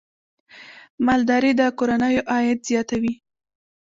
مالداري د کورنیو عاید زیاتوي.